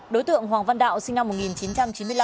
đối tượng hoàng văn đạo sinh năm một nghìn chín trăm chín mươi năm